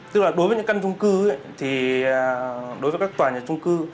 tức là đối với những căn trung cư thì đối với các tòa nhà trung cư